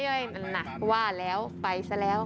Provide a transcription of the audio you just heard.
หนักว่าแล้วไปซะแล้ว